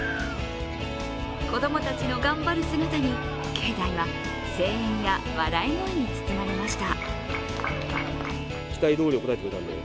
子供たちの頑張る姿に境内は声援や笑い声に包まれました。